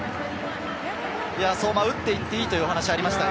相馬、打っていっていいというお話がありました。